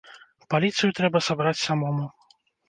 Паліцыю трэба сабраць самому.